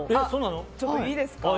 ちょっといいですか？